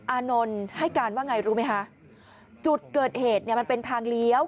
อานนท์ให้การว่าไงรู้ไหมคะจุดเกิดเหตุเนี่ยมันเป็นทางเลี้ยว